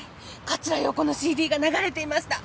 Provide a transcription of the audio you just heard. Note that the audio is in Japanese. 桂陽子のＣＤが流れていました。